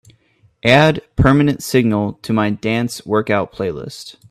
Add Permanent Signal to my dance workout playlist.